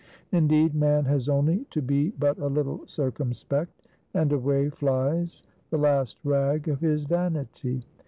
Indeed, man has only to be but a little circumspect, and away flies the last rag of his vanity.